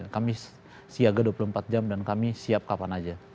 kami siaga dua puluh empat jam dan kami siap kapan saja